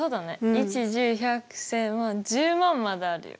一十百千万１０万まであるよ。